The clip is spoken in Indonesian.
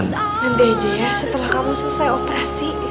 andai aja ya setelah kamu selesai operasi